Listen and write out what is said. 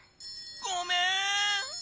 ごめん！